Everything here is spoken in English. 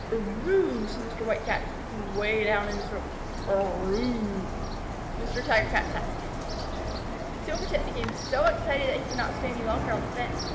"Er row!" said Mr. White Cat, speaking way down his throat. "Er row!" Mr. Tiger Cat sat still. Silvertip became so excited that he could not stay longer on the fence.